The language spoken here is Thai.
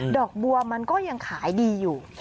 อกบัวมันก็ยังขายดีอยู่